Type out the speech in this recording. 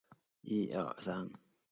流域内易发生水旱灾害。